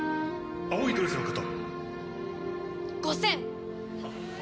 青いドレスの方。